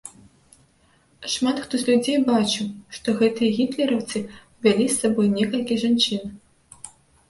Шмат хто з людзей бачыў, што гэтыя гітлераўцы павялі з сабой некалькі жанчын.